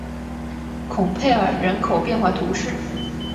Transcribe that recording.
孔佩尔人口变化图示